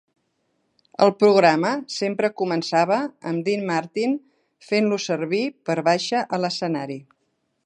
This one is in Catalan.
El programa sempre començava amb Dean Martin fent-lo servir per baixa a l'escenari.